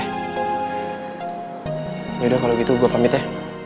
sudah kalau gitu gue pamit ya